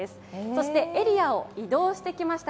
そしてエリアを移動してきました。